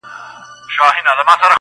د خپل موجودیت تعریف راڅخه غوښتی دی